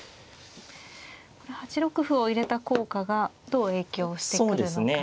８六歩を入れた効果がどう影響してくるのか。